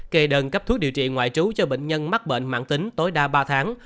kê đơn cấp thuốc điều trị ngoại trú cho bệnh nhân mắc bệnh mạng tính tối đa ba tháng